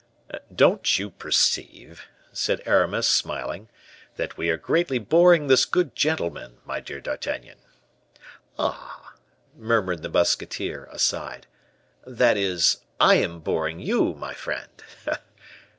"Don't you perceive," said Aramis, smiling, "that we are greatly boring this good gentleman, my dear D'Artagnan?" "Ah! ah!" murmured the musketeer, aside; "that is, I am boring you, my friend."